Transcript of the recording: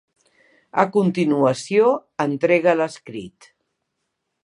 A continuació, entrega l'escrit.